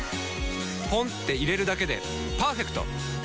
ポンって入れるだけでパーフェクト！